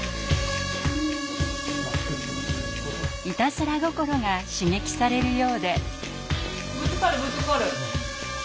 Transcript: いたずら心が刺激されるようで。